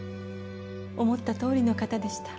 思ったとおりの方でした。